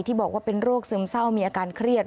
บอกว่าเป็นโรคซึมเศร้ามีอาการเครียด